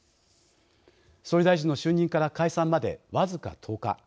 総理大臣の就任から解散まで僅か１０日。